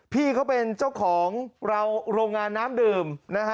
พี่เขาเป็นเจ้าของเราโรงงานน้ำดื่มนะฮะ